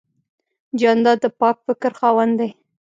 جانداد د پاک فکر خاوند دی.